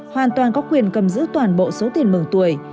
hoàn toàn có quyền cầm giữ toàn bộ số tiền mường tuổi